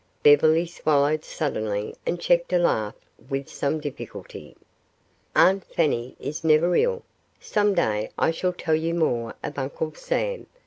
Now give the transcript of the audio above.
Beverly swallowed suddenly and checked a laugh with some difficulty. "Aunt Fanny is never ill. Some day I shall tell you more of Uncle Sam.